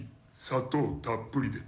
砂糖たっぷりで。